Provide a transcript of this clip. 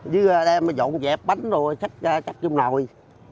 chứ em dọn dẹp bánh rồi cắt trong nồi